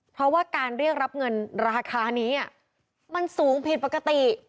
เพราะว่าการเรียกรับเงินราคานี้มันสูงผิดปกติ